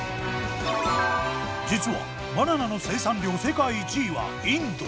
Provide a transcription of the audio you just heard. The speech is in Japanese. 実はバナナの生産量世界１位はインド。